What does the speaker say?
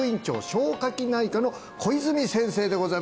消化器内科の小泉先生でございます